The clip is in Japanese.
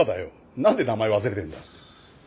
なんで名前忘れてんだ。